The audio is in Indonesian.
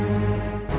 tolong jawab afif pa